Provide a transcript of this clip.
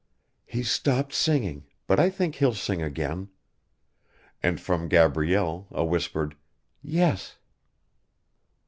"He's stopped singing, but I think he'll sing again," and from Gabrielle a whispered "Yes."